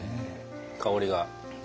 香りが。